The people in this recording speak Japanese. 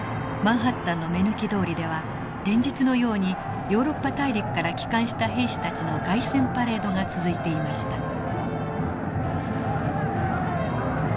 マンハッタンの目抜き通りでは連日のようにヨーロッパ大陸から帰還した兵士たちの凱旋パレードが続いていました。